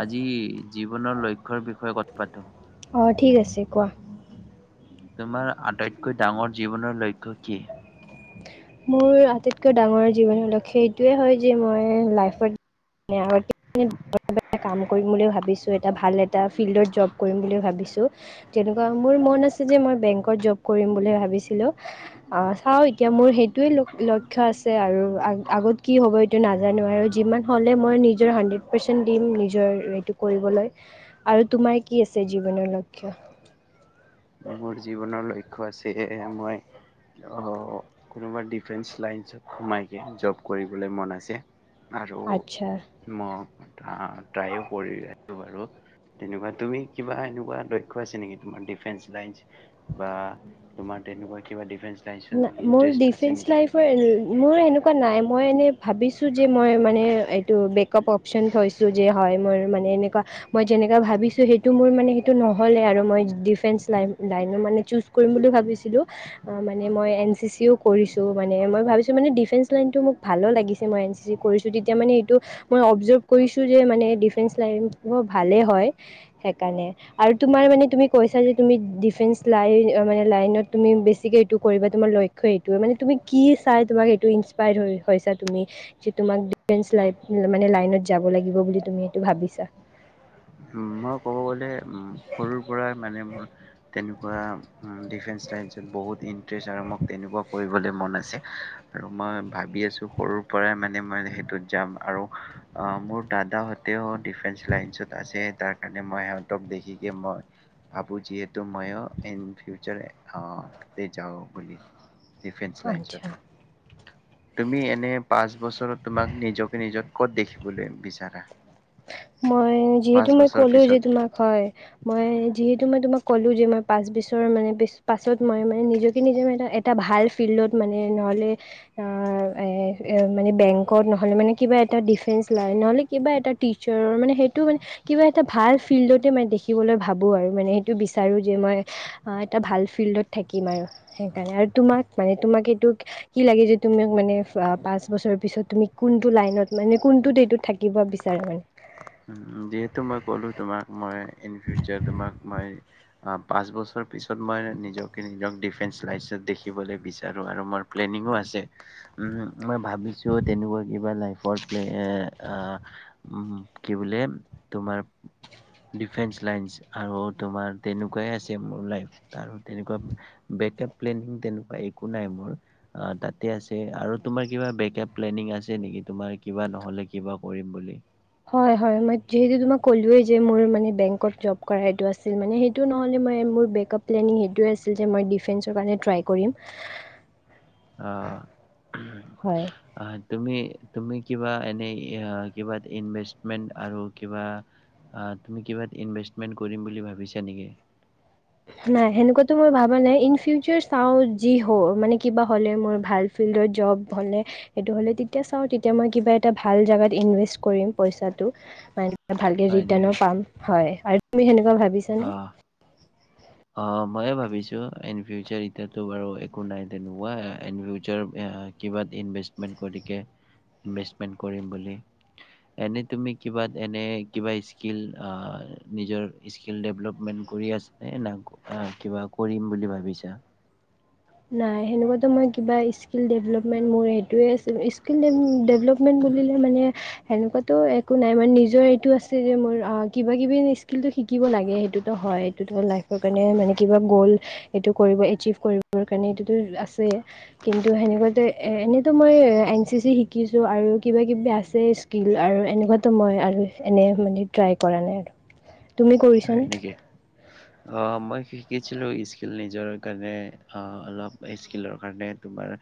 আজি জীৱনৰ লক্ষ্যৰ বিষয়ে কথা পাতোঁ। অ ঠিক আছে কোৱা। তোমাৰ আটাইতকৈ ডাঙৰ জীৱনৰ লক্ষ্য কি? মোৰ আটাইতকৈ ডাঙৰ জীৱনৰ লক্ষ্য এইটোৱেই হয় যে মই লাইফত গ কাম কৰি বুলি ভাবিছোঁ এটা ভ এটা ফিল্ডত জব কৰিম বুলি ভাবিছোঁ তেনেকুৱা মোৰ মন আছে যে মই বেংকত জব কৰিম বুলি ভাবিছিলোঁ চাওঁ এতিয়া মোৰ সেই এইটোৱেই লক্ষ্য আছে আৰু আগত কি হ'ব এইটো নাজানো আৰু যিমান হ'লে মই নিজৰ হাণ্ড্ৰেড পাৰ্চেন্ট দিম নিজৰ এইটো কৰিবলৈ। আৰু তোমাৰ কি আছে জীৱনৰ লক্ষ্য? মোৰ জীৱনলৈক্ষ ছে এ মই অ কোনোবা ডিফেন্স লাইনত সোমাইকে জব কৰিবলৈ মন আছে। আৰু আচ্ছা মই ট্ৰাইও কৰি ৰো বাৰু তেনেকুৱা তুমি কিবা এনেকুৱা লক্ষ্য আছে নেকি তোমাৰ ডিফেন্স। লাইঞ্চ বা তোমাৰ তেনেকুৱা কিবা ডিফেঞ্চ না মোৰ ডিফেঞ্চ লাইফৰ মোৰ এনেকুৱা নাই মই এনে ভাবিছোঁ যে মই মানে এইটো বেগ অপশন থৈছো যে হয় মই মই মানে এনেকা মই জেনেভা ভাবিছো সেইটো মোৰ মানে সেইটো নহ'লে আৰু মই ডিফেঞ্চ লাই লাইনে মানে ছোচ কৰিম বুলি ভাবিছিলো মানে মই এন চি চিও কৰিছোঁ মানে মই ভাবিছোঁ মানে ডিফেঞ্চ লাইনটো মোক ভালো লাগিছে মই এন চি চি কৰিছোঁ তেতিয়া মানে এইটো মই অবজাৰ্ভ কৰিছোঁ যে মানে ডিফেঞ্চ লাইন ভালেই হয় সেইকাৰণে আৰু তোমাৰ মানে তুমি কৈছা যে তুমি ডিফেঞ্চ লাইন মানে লাইনত তুমি বেছিকৈ এইটো কৰিবা তোমাৰ লক্ষ্য এইটোৱে তুমি কি চাই ইঞ্চপায়াৰ্ড হৈছা তুমি যে তোমাক ডিফাৰেঞ্চ মানে লাইন মানে লাইনত যাব লাগিব বুলি তুমি ভাবিছা উম, ক'ব গলে উ সৰুৰ পৰা মানে মোৰ তেনেকুৱা ডিফেঞ্চ লাইনত বহুত ইন্টাৰেষ্ট আৰু মোক তেনেকুৱা কৰিবলৈ মন আছে আৰু মই ভাবি আছো সৰুৰ পৰাই মানে মই সেইটোত যাম আৰু মোৰ দাদাহতেও ডিফেঞ্চ লাইনচত আছে তাৰ কাৰণে মানে মই সিহঁতক দেখিকে মই ভাবোঁ যিহেতু মইয়ো এন ফিউচাৰ অ তাতে যাওঁ বুলি ডিফেঞ্চ লাইনছত আচ্ছা তুমি এনে পাঁচ বছৰত তোমাক নিজকে নিজৰ ক'ত দেখিবলৈ বিচাৰা মই পাঁচ যিহেতু মই বছৰ ক'লো পিছত। যে তোমাক হয় মই যিহেতু মই তোমাক ক'লোঁ যে মই পাঁচবছৰ মানে পাছত মই মানে নিজকে নিজক এটা ভাল ফিল্ডত মানে নহ'লে মানে বেংকত নহ'লে মানে কিবা এটা ডিফেঞ্চ। লাইনত নহ'লে কিবা এটা টিচাৰৰ মানে সেইটো মানে কিবা এটা ভাল ফিল্ডতে মই দেখিবলৈ ভাবোঁ আৰু মানে সেইটো বিচাৰো যে মই এটা ভাল ফিল্ডত থাকিম আৰু সেইকাৰণে আৰু তোমাক মানে তোমাক এইটো কি লাগে যে তুমি মানে পাঁচ বছৰ পিছত তুমি কোনটো লাইনত মানে কোনটো ডেটত থাকিব বি চাৰা [unintelligible] যিহেতু মই ক'লো তোমাক মই ইন ফিউচাৰ তোমাক মই পাঁচ বছৰ পিছত মই নিজকে নিজক ডিফেঞ্চ লাইছত দেখিবলৈ বিচাৰোঁ আৰু মোৰ প্লেনিংঙো আছে মই ভাবিছো তেনেকুৱা কিবা লাইফ [unintelligible] অ অ কি বোলে তোমাৰ ডিফেন্স লাইনচ আৰু তোমাৰ তেনেকুৱাই আছে মোৰ লাইফ আৰু তেনেকুৱা বেকআপ প্লেনিং তেনেকুৱা একো নাই মোৰ তাতে আছে আৰু তোমাৰ কিবা বেকআপ প্লেনিং আছে নেকি তোমাৰ কিবা নহ'লে কিবা কৰিম বুলি হয় হয় মই যিহেতু তোমাক ক'লোৱেই যে মোৰ মানে বেংকত জব কৰা এইটো আছিল মানে সেইটো নহ'লে মই মোৰ বেকআপ প্লেনিং সেইটোৱে আছিল যে মই ডিফেন্সৰ কাৰণে ট্ৰাই কৰিম অ হয় আহ তুমি তুমি কিবা এনেই কিবা ইনভেষ্টমেণ্ট আৰু কিবা তুমি কিবা ইনভেষ্টমেণ্ট কৰিম বুলি ভাবিছা নেকি নাই সেনেকোৱাটো মই ভাবা নাই ইন ফিউচাৰ চাওঁ যি হ মানে কিবা হ'লে মোৰ ভাল ফিল্ডত জব হলে সেইটো হলে তেতিয়া চাওঁ তেতিয়া মই কিবা এটা ভাল জাগাত ইনভেষ্ট কৰিম পইচাটো ভালকে হয় নেকি? ৰিটাৰ্ণো পাম হয় আৰু তুমি সেনেকোৱা ভাবিছানে অ মইয়ো ভাবিছো ইন ফিউচাৰ এতিয়াতো বাৰু একো নাই তেনেকুৱাকে এনে ৰোজাৰ বেয়া কিবাত ইনভেষ্টমেণ্ট কৰিম বুলি এনে তুমি কিবা এনে কিবা স্কিল নিজৰ স্কিল ডেভেলপমেন্ট কৰি আছা নে কিবা কৰিম বুলি ভাবিছা নাই সেনেকোৱাতো মোৰ কিবা স্কিলডেভলপমেন্ট মোৰ সেটোৱে আছিল স্কিলডেভলপমেন্ট বুলি মানে সেনেকোৱো একো নাই মানে নিজৰ এইটো আছে যে মোৰ কিবা কিবি কিন্তু শিকিব লাগে সেইটোতো হয় তোমাৰ লাইফৰ কাৰণে মানে কিবা গ'ল এইটো কৰিব এচিভ কৰিব কাৰণে এইটোতো আছেই কিন্তু সেনেকোৱাতে এনেইতো মই এন চি চি শিকিছোঁ আৰু কিবা কিবি আছে স্কিল আৰু এনেকুৱাতো মই আৰু এনে মানে ট্ৰাই কৰা নাই আৰু তুমি হয় কৰিছানে নেকি অ মই কি কি ছিলোঁ স্কিল নিজৰ কাৰণে অলপ স্কিলৰ কাৰণে তোমাৰ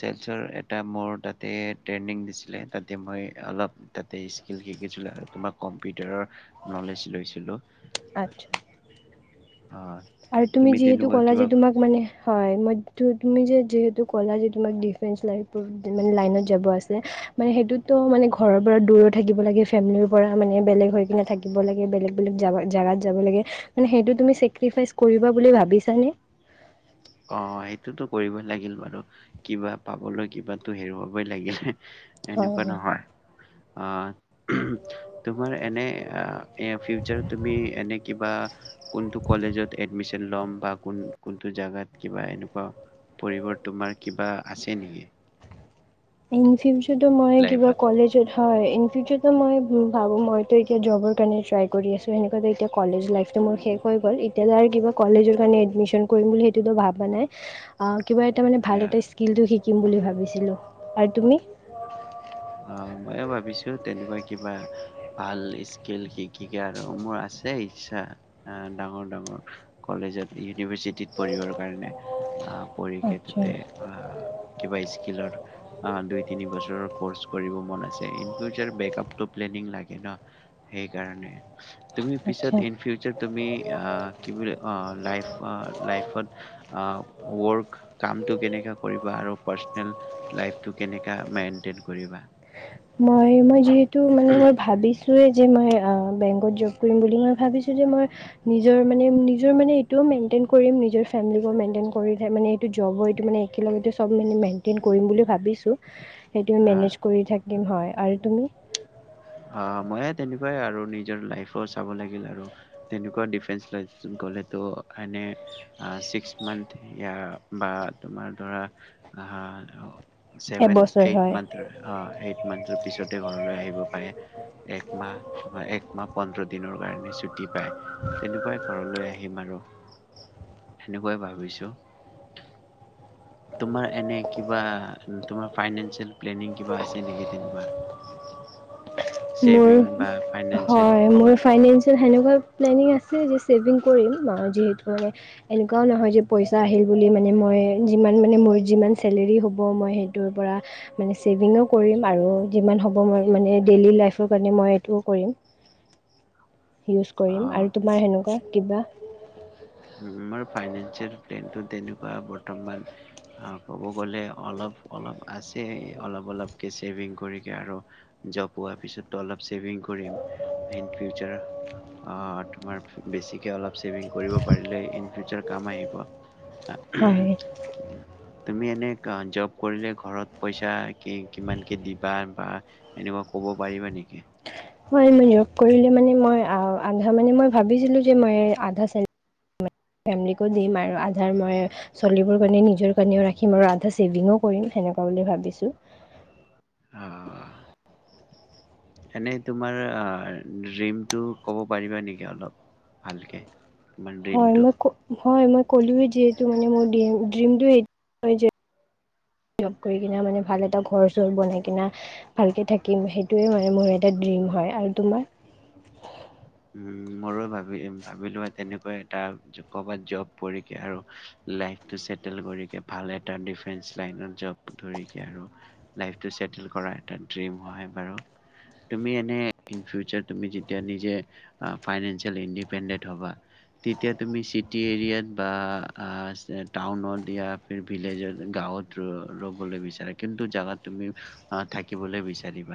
চেলচৰ এটা মোৰ তাতে ট্ৰেইনিং দিছিলে তাতে মই অলপ তাতে স্কিল শিকিছিলোঁ আৰু তোমাক কম্পিউটাৰৰ নলেজ লৈছিলোঁ আচ্ছা অ আৰু তুমি যিহেতু তেনেকুৱা ক'লা কিবা যে তোমাক মানে হয় ম তুমি যে যিহেতু ক'লা যি তোমাক ডিফেন্স লাই মে লাইনত যাব আছে মানে সেইটোতো মানে ঘৰৰ পৰা দূৰো থিব লাগে ফেমিলিৰ পৰা মানে বেলেগ হৈ কিনে থাকিব লাগে বেলেগ বেলেগ জেগাত যাব লাগে মানে সেইটো তুমি চেক্ৰিফাই কৰিব বুলি ভাবিছানে? অ সেইটোতো কৰিবই লাগিল বাৰু কিবা পাবলৈ কিবা হেৰুৱাবই লাগিল। হয় এনেকুৱা হয় নহয়। অ তোমাৰ এনে ফিউচাৰ তুমি এনে কিবা। কোনটো কলেজত এডমিচ ল'ম বা কোনটো জাগাত কিবা এনেকুৱা পৰিবৰ তোমাৰ কিবা আছে নেকি? ইমসেঞ্চ। কিন্তু মই কিবা লাইফত কলেজত হয় ইন ফিউচাৰ ত মই ভাবোঁ মইতো এতিয়া জবৰ কাৰণে ট্ৰাই কৰি আছোঁ সেনেকুৱো এতিয়া কলেজ লাইফটো মোৰ শেষ হৈ গ'ল এতিয়া আৰু কিবা কলেজৰ কাৰণে এডমিশন কৰিম বুলি সেইটোতো ভাবা নাই। কিবা এটা মান ভ এটা স্ক্ৰিল শিকি শিকিম বুলি ভাবিছিলোঁ আৰু তুমি অ ময়ো ভাবিছো তেনেকুৱা কিবা। ভাল স্ক্ৰীল। কি কে আৰু মোৰ আছে ইচ্ছা ডাঙৰ ডাঙৰ কলেজত ই ইউনিভাৰ্চিটিত পঢ়িবৰ কাৰণে পঢ়িকৈ আচ্ছা তাতে কিবা স্কিলৰ দুই তিনি বছৰৰ ক'ৰ্চ কৰিব মন আছে ফিউচাৰ বেকাপটৌ প্লা নীং শ সেই কাৰণে। তুমি পিছত আচ্ছা ইন ফিউচাৰ তুমি কি বুলি লাইফ লাইফত ৱৰ্ক কামটো কেনেকুৱা কৰিবা আৰু পাৰ্চনেল লাইফটো কেনেকুৱা মেইন কৰিবা। মই মই যিহেতু মানে মই ভাবিছো। তো এইটো যে মই বেংকত জব কৰিম বুলি মই ভাবিছো যে মই নিজৰ মানে নিজৰ মানে এইটোও মেইনটেইন কৰিম নিজৰ ফেমিলিকো মেইনটেইন কৰি মানে এইটো জবৰ এইটো মানে একেলগতে চব মানে মেইনটেইন কৰিম বুলি ভাবিছোঁ। সেইটোৱে হা মেনেজ কৰি থাকে। হয় আৰু তুমি অ মইে তেনেকুৱাই আৰু নিজৰ লাইফো চাব লাগিল আৰু তেনেকুৱা ডিফেস ল গলেতো এনে ছিক্স মন্ঠ বা তোমাৰ ধৰা আহ চেভেন এবছৰ এইট হয় মন্থ অ মন্ত পিছতে ঘৰলৈ আহিব। হয়। এক মাহ তোমাৰ এক মাহ পোন্ধৰ দিন। দিনৰ কাৰণে ছুটি পাই তেনেকুৱাই ঘৰলৈ আহিম আৰু সেনেকোৱাই ভাবিছোঁ অ', তোমাৰ এনে কিবা অ', অ', তোমাৰ ফাইনেঞ্চিয়েল প্লেনিং কিবা আছে নেকি তেনেকুৱা? মোৰ ছেভিং বা ফাইনেন্সিয়েল হয় মোৰ ক'ৰবাত ফাইনেঞ্চিয়েল সেইনে কোৱা প্লেনিং আছে। ছেভিং কৰিম যিহেতু মানে এনেকুৱাও নহয় যে পইচা আহিল বুলি মানে মই যিমান মানে মোৰ যিমান চেলেৰী হ'ব মই সেইটোৰ পৰা মানে ছেভিং কৰিম আৰু যিমান হ'ব মই মানে ডেইলী লাইফ হেতু কাৰনে মই এটো কৰিম। ইউজ কৰিম অ', আৰু তোমাৰ সেনেকুৱা কিবা হম, ফাইনেঞ্চিয়েল প্লেনিং তেনেকুৱা বৰ্তমান ক'ব গলে অলপ, অলপ আছে, অলপ, অলপকে ফাইনেঞ্চিয়েল কৰিকে আৰু জ'ব পোৱা পিছতটো অলপ ফাইনেঞ্চিয়েল কৰিম ইন ফিউচা অ', তোমাৰ বেছিকে অলপ ছেভিং কৰিব পাৰিলে ইন ফিউচৰ কাম আহ কোৱা। হয় [inaudible] তুমি এনে ক জ'ব কৰিলে ঘৰত পইচা কি কিমান কে দিবা বা এনেকুৱা কে ক'ব পাৰিব নিকি? হয় মই জ'ব কৰিলে ফেমলিকো দিম, আৰু আধাৰ মই চলিব কাৰণে নিজৰ কাৰণেও ৰাখিম আৰু আধা ছেভিংছ কৰিম সেনেকুৱা বুলি ভাবিছোঁ। অ'। এনেই তোমাৰ অ', ড্ৰীমটো ক'ব পাৰিবা নেকি অলপ ভালকে? তোমাৰ হয় ড্ৰিমটো মই কো হয় মই ক'লোৱেই যিহেতু মানে মোৰ ড্ৰিমটোৱে সেইটোৱে যে জ'ব কৰি কি মানে ভাল এটা ঘৰ চৰ বনাই কিনা ভালকৈ থাকিম সেইটোৱে মানে মোৰ এটা ড্ৰিম হয় আৰু তোমাৰ? হম, মইও ভাবি ভাবিলোঁ এটা তেনেকুৱা এটা কোবত যব কৰিকে আৰু লাইফ টো সেটল কৰিকে ভাল এটা ডিফেন্স লাইন জ'ব ধৰিকে আৰু লাইফ টো সেটেল কৰাৰ এটা ড্ৰীম হয় বাৰু, তুমি এনে ইন্ ফিউচাৰ তুমি যেতিয়া নিজে অ', ফাইনেঞ্চিয়েল ইণ্ডিপেণ্ডেণ্ট হ'বা তেতিয়া তুমি চিটি এৰিয়াত বা অ', টাউন ওট দিয়া ভি ভিলেজ ওট গাওঁত ৰ'বলে বিচাৰে কিন্তু জগত তুমি থাকিবলৈ বিচাৰিব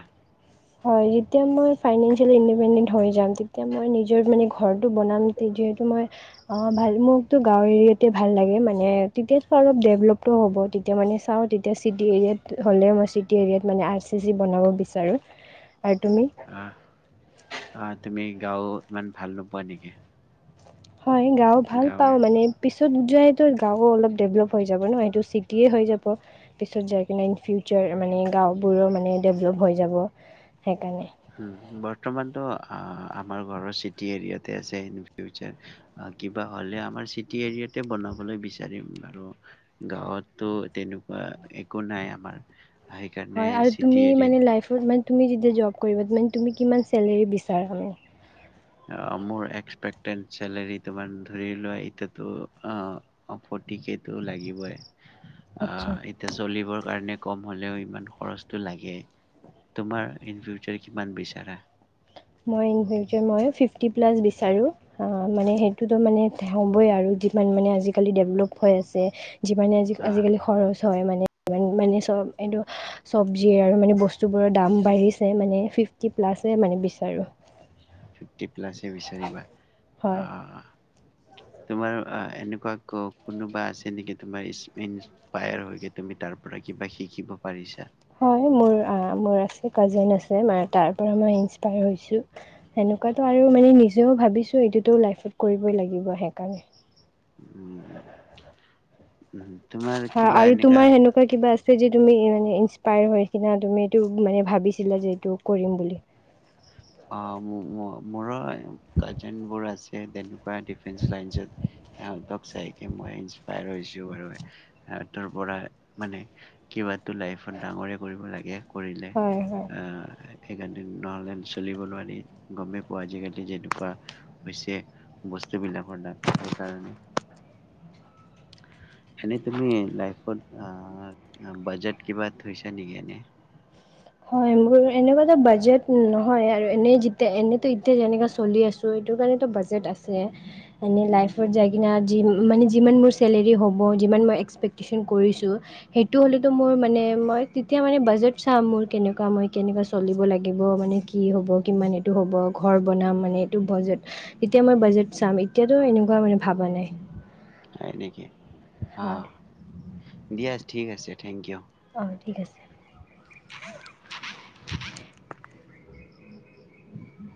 হয়, যেতিয়া মই ফাইনেন্সিয়েলি ইণ্ডিপেণ্ডেণ্ট হৈ যাম তেতিয়া মই নিজৰ মানে ঘৰটো বনাম যিহেতু মই ভাল মোকতো গাঁৱ এৰিয়াতে ভাল লাগে মানে তেতিয়াতো অলপ ডেভেলপটো হ'ব তেতিয়া মানে চাওঁ তেতিয়া চিটি এৰিয়াত হ'লে মই চিটি এৰিয়াত মানে আৰ চি চি বনাব বিচাৰোঁ। আৰু তুমি আহ, আহ তুমি গাওঁ ইমান ভাল নোপোৱা নেকি? হয়, গাওঁ ভাল পাওঁ গাঁৱৰ মানে পি পিছত যায়তো গাঁওো অলপ ডেভলপ হৈ যাব ন সেইটো চিটিয়ে হৈ যাব পিছত যাই কিনে ইন ফিউচাৰ মানে গাঁওবোৰো মানে ডেভলপ হৈ যাব সেইকাৰণে উম, বৰ্তমানতো আমাৰ ঘৰৰ চিটি এৰিয়াতে আছে ইন ফিউচাৰ কিবা হ'লে আমাৰ চিটি এৰিয়াতে বনাবলৈ বিচাৰিম আৰু গাঁৱতটো তেনেকুৱা একো নাই আমাৰ। সেইকাৰণে হয় আৰু চিটি তুমি এৰিয়াত মানে লাইফত মা তুমি যেতিয়া জ'ব কৰিব মানে তুমি কিমান চেলেৰী বিচাৰা মানে? অ', মোৰ এস্পেটত চেলাৰী তোমাৰ ধৰি লোৱা এতিয়াতো ফৰটি কে টো লাগিবই। আচ্ছা অহ, এতিয়া চলিবৰ কাৰণে কম হ'লেও ইমান খৰচটো লাগে, তোমাৰ ইনফিউছাৰ কিমান বিচাৰা? মই সেই কাৰণে ফিফতি প্লাছ বিচাৰোহ' অ', সেইটোতে মানে হ'ব আৰু যিমান আৰু মানে ডেভলভ হৈ আছে। যিমানে আজি আহ আজিকালি খৰচ হয় মানে ই মানে চব এইটো চব্জি আৰু মানে বস্তুবোৰৰ দাম বাঢ়িছে মানে ফিফটি প্লাচ মানে বেছি হয় আৰু প্লাছ বিচাৰিবা হয় অ'। তোমাৰ এনেকুৱা কোনোবা আছে নেকি তোমাৰ ইনস্পায়াৰ হৈ তুমি তাৰ পৰা কিবা শিকিব পাৰিছা? হয় মোৰ মোৰ আ কাজিন আছে তাৰ পৰা মই ইন্ছপায়াৰ হৈছো, সেনেকোৱা এটা আৰু মই নিজে ভাবিছো সেইটো নিজে লাষ্টত কৰিব লাগিব নিজে। উম উম তোমাৰ হয় কিবা আৰু এনেকা তোমাৰ সেনেকুৱা কিবা আছ ছে যে তুমি মানে ইনস্পায়াৰ হয় সেইদিনা তুমি এইটো মানে ভাবিছিলা যে এইটো কৰিম বুলি। অ মো মো মোৰ কাজিনবোৰ আছে দেন সেনেকুৱা ডিফেন্স লাইনত আহেঁতক চাই কে মই ইনছপায়েৰ হৈছো বাৰু হেতৰ পৰা মানে কিবাটো লাইত ডাঙৰে কৰিব লাগে। কৰিলে হয় হয় আ থেগাৰদিন নলেছ্ চলিব নোৱাৰি গম পোৱা আজিকালি যেনেকুৱা হৈছে বস্তুবিলাকৰ দাম সেইকাৰণে হেনে কোনো লাইফত আ বাজেট কিবা থৈছা নেকি এনে? হয় মোৰ এনেকুৱো বাজেট নহয় আৰু এনে যিতে এনেটো এতিয়া যেনেকা চলি আছো সেটো কাৰণেটো বাজেট আছে। এনে লাইফত যাই কেনে মানে যিমান মোৰ চেলেৰী হ'ব যিমান মই এক্সপেক্টেচন কৰিছোঁ সেইটো হ'লেতো মোৰ মানে মই তেতিয়া মানে বাজেট চাম মোৰ কেনেকুৱা মই কেনেকুৱা চলিব লাগিব মানে কি হ'ব, কিমান এইটো হ'ব ঘৰ বনাম মানে এইটো বাজেট যেতিয়া মই বাজেট চাম এতিয়াতো এনেকুৱা মানে ভাবা নাই। হয় নেকি? অ হয় দিয়া। ঠিক আছে থেংক ইউ। অ ঠিক আছে। [inaudible] [inaudible]